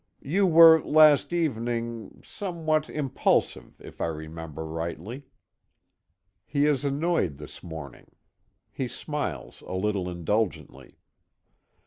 You were last evening somewhat impulsive, if I remember rightly." He is annoyed this morning. He smiles a little indulgently.